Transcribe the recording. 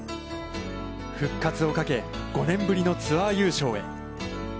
復活をかけ、５年ぶりのツアー優勝へ。